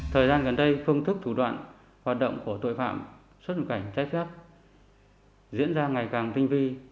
thời gian gần đây phương thức thủ đoạn hoạt động của tội phạm xuất nhập cảnh trái phép diễn ra ngày càng tinh vi